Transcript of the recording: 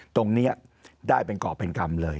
ตรงนี้ได้เป็นกรอบเป็นกรรมเลย